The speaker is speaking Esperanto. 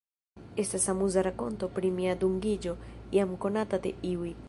Estas amuza rakonto pri mia dungiĝo, jam konata de iuj.